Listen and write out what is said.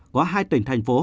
có hai tỉnh thành phố